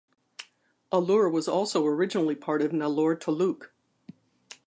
Allur was also originally part of Nellore Taluk.